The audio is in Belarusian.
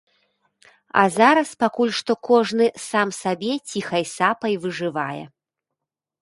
А зараз пакуль што кожны сам сабе ціхай сапай выжывае.